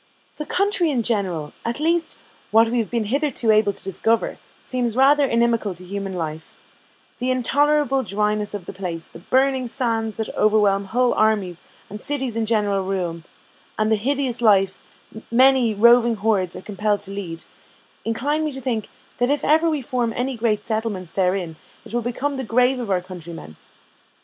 The country in general at least, what we have been hitherto able to discover, seems rather inimical to human life; the intolerable dryness of the place, the burning sands that overwhelm whole armies and cities in general ruin, and the hideous life many roving hordes are compelled to lead, incline me to think, that if ever we form any great settlements therein, it will become the grave of our countrymen.